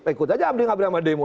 ikut saja ambil ambil sama demo